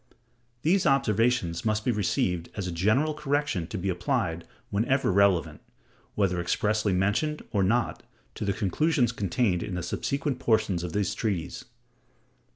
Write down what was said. These observations must be received as a general correction to be applied whenever relevant, whether expressly mentioned or not, to the conclusions contained in the subsequent portions of this treatise.